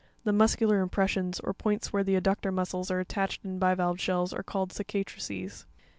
The "muscular impressions" or points where the adductor muscles are attached in bivalve shells are called cicatrices.